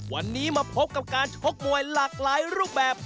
วันนี้มาพบกับการชกมวยหลากหลายรูปแบบ